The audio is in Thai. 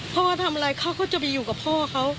พ่อทำอะไรเขาก็จะไปอยู่กับพ่อเขา